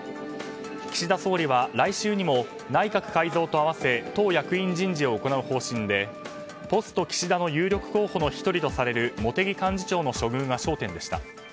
岸田総理は来週にも内閣改造と合わせ党役員人事を行う方針でポスト岸田の有力候補の１人とされる茂木幹事長の処遇が焦点でした。